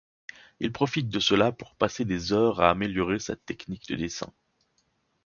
Il profite de cela pour passer des heures à améliorer sa technique de dessin.